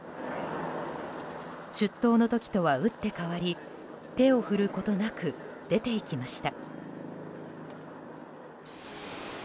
出頭の時とは打って変わり手を振ることなく出ていきました。